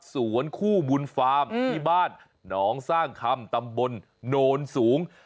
คู่บุญฟาร์มที่บ้านหนองสร้างคำตำบลโนนสูง